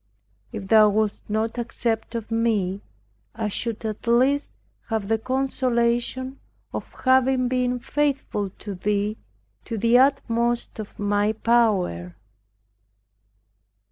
If Thou wouldst not accept of me, I should at least have the consolation of having been faithful to Thee to the utmost of my power.